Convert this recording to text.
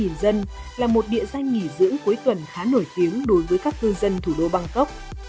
gần dân là một địa danh nghỉ dưỡng cuối tuần khá nổi tiếng đối với các cư dân thủ đô bangkok